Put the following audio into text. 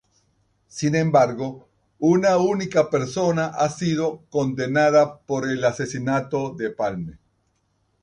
Sin embargo, una única persona ha sido condenada por el asesinato de Palme.